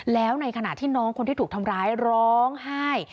แล้วในขณะที่น้องคนที่ถูกทำร้ายร้องไห้